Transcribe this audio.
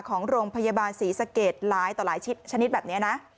ของโรงพยาบาลศรีสะเกดหลายต่อหลายชนิดแบบนี้นะ